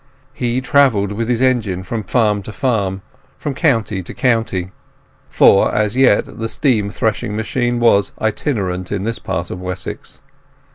He travelled with his engine from farm to farm, from county to county, for as yet the steam threshing machine was itinerant in this part of Wessex.